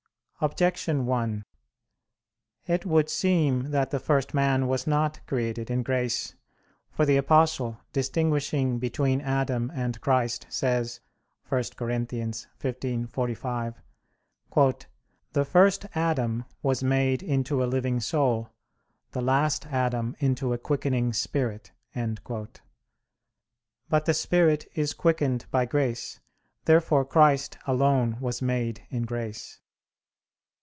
Objection 1: It would seem that the first man was not created in grace. For the Apostle, distinguishing between Adam and Christ, says (1 Cor. 15:45): "The first Adam was made into a living soul; the last Adam into a quickening spirit." But the spirit is quickened by grace. Therefore Christ alone was made in grace.